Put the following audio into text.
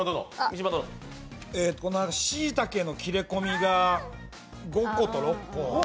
しいたけの切れ込みが５個と６個。